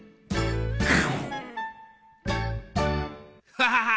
ハハハハ。